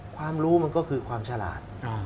ความรู้มันก็คือความฉลาด